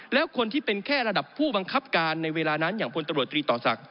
แล้วคนที่เป็นแค่ระดับผู้บังคับการในเวลานั้นอย่างพตตศ